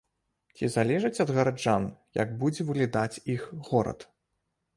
Ці залежыць ад гараджан, як будзе выглядаць іх горад?